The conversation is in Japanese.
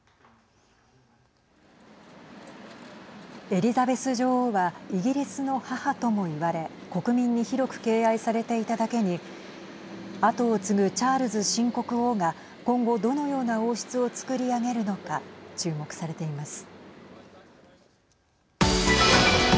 エリザベス女王はイギリスの母ともいわれ国民に広く敬愛されていただけにあとを継ぐチャールズ新国王が今後どのような王室を作り上げるのか注目されています。